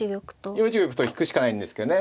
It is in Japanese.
４一玉と引くしかないんですけどね。